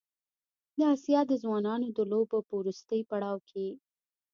د اسیا د ځوانانو د لوبو په وروستي پړاو کې